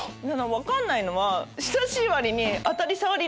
分かんないのは。